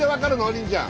凜ちゃん。